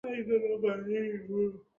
Hakuna kusaidiana kwenye mtihani.